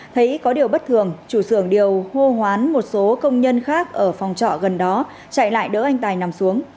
thấy có điều bất thường chủ xưởng đều hô hoán một số công nhân khác ở phòng trọ gần đó chạy lại đỡ anh tài nằm xuống